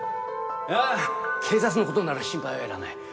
いや警察の事なら心配はいらない。